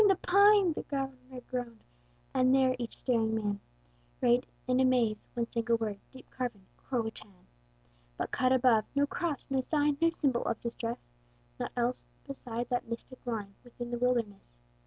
the pine!" the Governor groaned; And there each staring man Read in a maze, one single word, Deep carven, CRO A TÀN! But cut above, no cross, no sign, No symbol of distress; Naught else beside that mystic line Within the wilderness!